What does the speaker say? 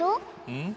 うん？